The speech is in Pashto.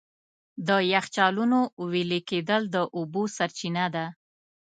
د یخچالونو وېلې کېدل د اوبو سرچینه ده.